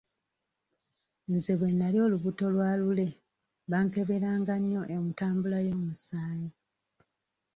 Nze bwe nali olubuto lwa Lule bankeberanga nnyo entambula y'omusaayi.